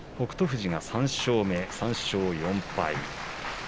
富士が３勝目、３勝４敗。